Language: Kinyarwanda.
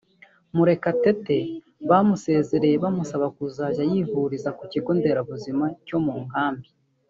Murekatete baramusezereye bamusaba kuzajya yivuriza ku kigo nderabuzima cyo mu Nkambi